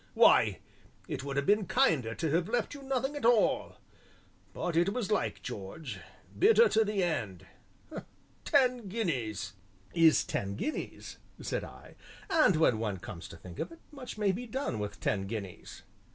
Why, it would have been kinder to have left you nothing at all but it was like George bitter to the end ten guineas!" "Is ten guineas," said I, "and when one comes to think of it, much may be done with ten guineas."